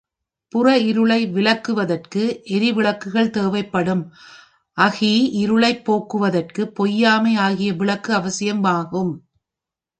புற இருளை விலக்குவதற்கு எரிவிளக்குகள் தேவைப்படும் அகி இருளைப் போக்குவற்குப் பொய்யாமை ஆகிய விளக்கு அவசியம் ஆகும்.